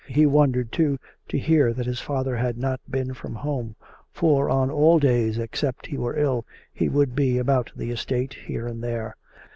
He wondered, too, to hear that his father had not been from home; for on all days, except he were ill, he would be about the estate, here and there.